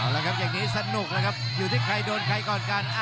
แล้วครับอย่างนี้สนุกแล้วครับอยู่ที่ใครโดนใครก่อนกัน